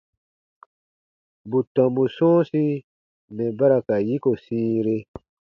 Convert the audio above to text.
Bù tɔmbu sɔ̃ɔsi mɛ̀ ba ra ka yiko sĩire.